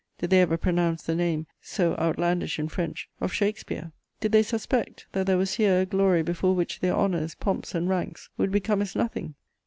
Did they ever pronounce the name, so outlandish in French, of Shakespeare? Did they suspect that there was here a glory before which their honours, pomps and ranks would become as nothing?